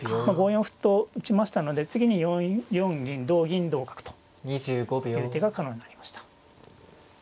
５四歩と打ちましたので次に４四銀同銀同角という手が可能になりました。